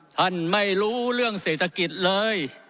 ท่านไม่รู้เรื่องเศรษฐกิจเลย